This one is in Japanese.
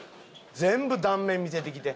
全部断面見せてきて。